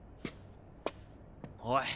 おい！